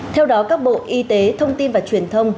theo đó các bộ y tế thông tin và truyền thông